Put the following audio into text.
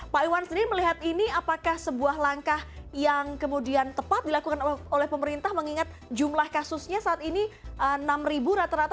pak iwan sendiri melihat ini apakah sebuah langkah yang kemudian tepat dilakukan oleh pemerintah mengingat jumlah kasusnya saat ini enam rata rata